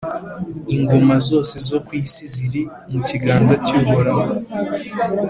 Ingoma zose zo ku isi ziri mu kiganza cy’Uhoraho,